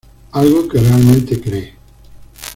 Algo que realmente cree.